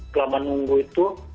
selama nunggu itu